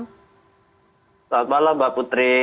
selamat malam mbak putri